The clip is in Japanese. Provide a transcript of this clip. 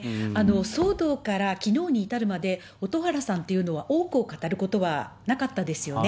騒動からきのうに至るまで、蛍原さんというのは、多くを語ることはなかったですよね。